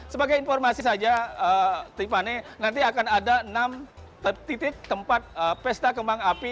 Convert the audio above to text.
sebagai informasi saja tiffany nanti akan ada enam titik tempat pesta kembang api